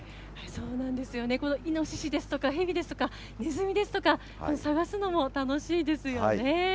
そうなんですよね、このイノシシですとか蛇ですとか、ねずみですとか、探すのも楽しいですよね。